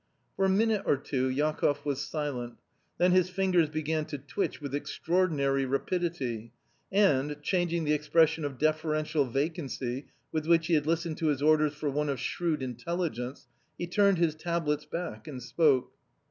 For a minute or two Jakoff was silent. Then his fingers began to twitch with extraordinary rapidity, and, changing the expression of deferential vacancy with which he had listened to his orders for one of shrewd intelligence, he turned his tablets back and spoke.